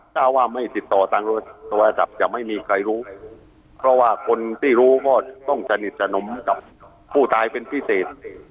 ถ้าว่าไม่ติดต่อทางโทรศัพท์จะไม่มีใครรู้เพราะว่าคนที่รู้ก็ต้องสนิทสนมกับผู้ตายเป็นพิเศษ